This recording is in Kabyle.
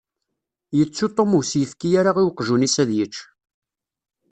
Yettu Tom ur s-yefki ara i weqjun-is ad yečč.